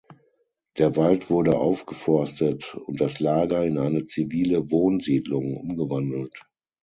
Der Wald wurde aufgeforstet und das Lager in eine zivile Wohnsiedlung umgewandelt.